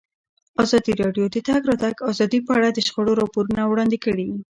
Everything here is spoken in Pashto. ازادي راډیو د د تګ راتګ ازادي په اړه د شخړو راپورونه وړاندې کړي.